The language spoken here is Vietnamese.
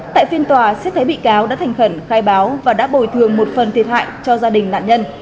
tại phiên tòa xét thấy bị cáo đã thành khẩn khai báo và đã bồi thường một phần thiệt hại cho gia đình nạn nhân